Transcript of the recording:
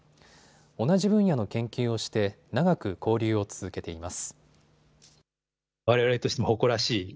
同じ分野の研究をして長く交流を続けています。